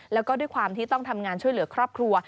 แล้วก็ด้วยความที่ต้องทำงานช่วยเหลือครอบครัว